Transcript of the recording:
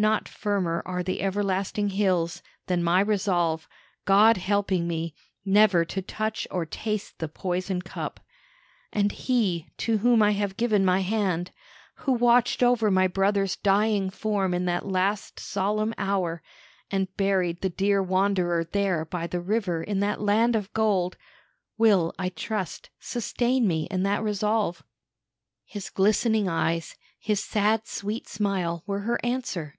Not firmer are the everlasting hills than my resolve, God helping me, never to touch or taste the poison cup. And he to whom I have given my hand, who watched over my brother's dying form in that last solemn hour, and buried the dear wanderer there by the river in that land of gold, will, I trust, sustain me in that resolve." His glistening eyes, his sad, sweet smile, were her answer.